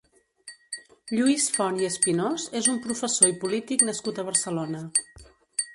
Lluís Font i Espinós és un professor i polític nascut a Barcelona.